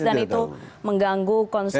dan itu mengganggu